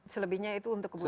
selebihnya itu untuk kebutuhan